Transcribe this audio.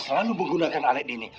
selalu menggunakan alat ini